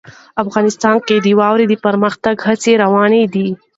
افغانستان کې د واوره د پرمختګ هڅې روانې دي.